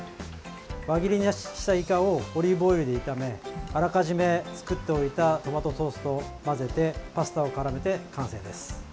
輪切りにしたイカをオリーブオイルで炒めあらかじめ作っておいたトマトソースと混ぜてパスタをからめて完成です。